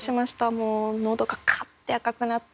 もうのどがカッて赤くなって。